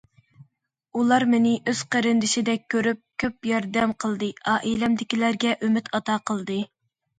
ئۇلار مېنى ئۆز قېرىندىشىدەك كۆرۈپ، كۆپ ياردەم قىلدى، ئائىلەمدىكىلەرگە ئۈمىد ئاتا قىلدى.